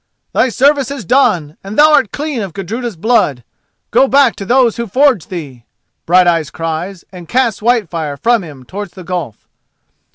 "Thy service is done and thou art clean of Gudruda's blood—go back to those who forged thee!" Brighteyes cries, and casts Whitefire from him towards the gulf.